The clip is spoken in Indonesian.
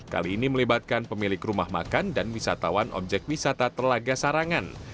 kali ini melibatkan pemilik rumah makan dan wisatawan objek wisata telaga sarangan